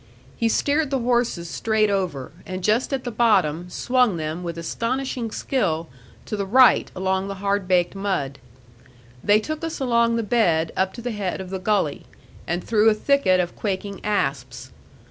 He steered the horses straight over, and just at the bottom swung them, with astonishing skill, to the right along the hard baked mud. They took us along the bed up to the head of the gully, and through a thicket of quaking asps.